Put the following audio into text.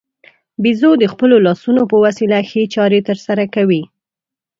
بیزو د خپلو لاسونو په وسیله ښې چارې ترسره کوي.